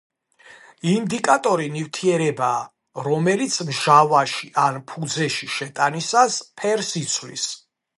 ინდიკატორი ნივთიერებაა, რომელიც მჟავაში ან ფუძეში შეტანისას ფერს იცვლის.